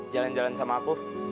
jalan jalan sama aku